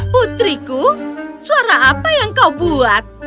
putriku suara apa yang kau buat